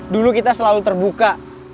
dulu kita selalu terbuka